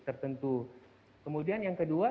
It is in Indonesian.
tertentu kemudian yang kedua